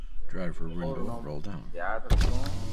او رو نوم سيات ھتو